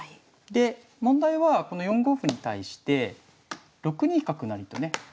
で問題はこの４五歩に対して６二角成とね